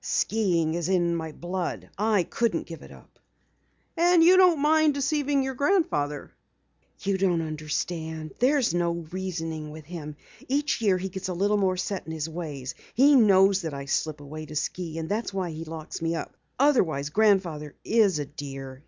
"Skiing is in my blood. I couldn't give it up." "And you don't mind deceiving your grandfather?" "You don't understand. There's no reasoning with him. Each year he gets a little more set in his ways. He knows that I slip away to ski, and that's why he locks me up. Otherwise, Grandfather is a dear.